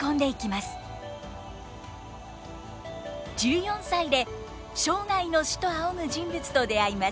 １４歳で生涯の師と仰ぐ人物と出会います。